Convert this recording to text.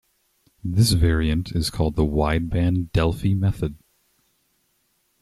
This variant is called the Wideband Delphi method.